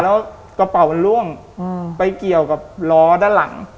แล้วกระเป๋ามันล่วงไปเกี่ยวกับล้อด้านหลัง